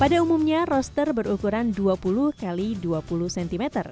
pada umumnya roster berukuran dua puluh x dua puluh cm